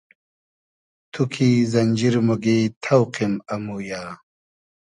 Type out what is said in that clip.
تو کی زئنجیر موگی تۆقیم امویۂ